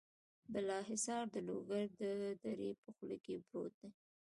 بالا حصار د لوګر د درې په خوله کې پروت دی.